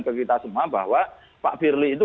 ke kita semua bahwa pak firly itu